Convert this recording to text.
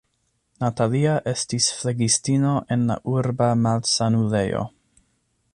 Natalia estis flegistino en la urba malsanulejo.